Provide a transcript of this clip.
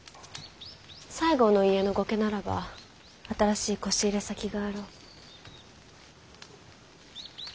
西郷の家の後家ならば新しいこし入れ先があろう。